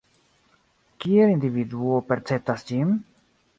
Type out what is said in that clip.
Kiel individuo perceptas ĝin?